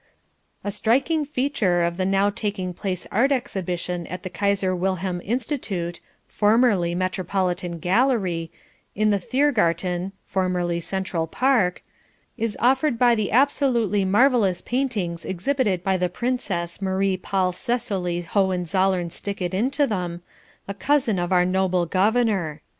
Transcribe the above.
A striking feature of the now taking place Art Exhibition at the Kaiser Wilhelm Institute (formerly Metropolitan Gallery) in the Thiergarten (formerly Central Park) is offered by the absolutely marvellous paintings exhibited by the Princess Marie Paul Cecilie Hohenzollern Stickitintothem, a cousin of Our Noble Governor.